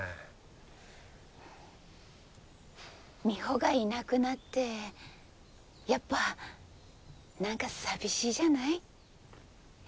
美穂がいなくなってやっぱ何か寂しいじゃない？